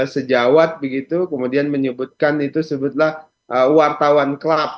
sejawat begitu kemudian menyebutkan itu sebutlah wartawan club